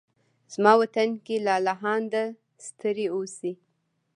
زما وطن کې لالهانده ستړي اوسې